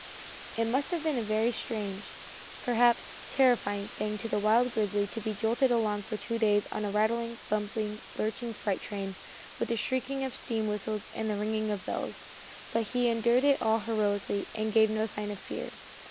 It must have been a very strange, perhaps terrifying, thing to the wild grizzly to be jolted along for two days on a rattling, bumping, lurching freight train, with the shrieking of steam whistles and the ringing of bells, but he endured it all heroically and gave no sign of fear.